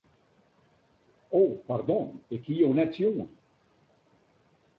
O pardon, ik hie jo net sjoen.